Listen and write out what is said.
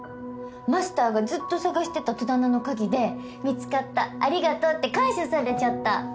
マスターがずっと捜してた戸棚の鍵で「見つかった。ありがとう」って感謝されちゃった。